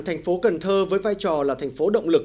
thành phố cần thơ với vai trò là thành phố động lực